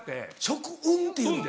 食運っていうの？